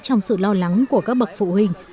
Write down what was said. trong sự lo lắng của các bậc phụ huynh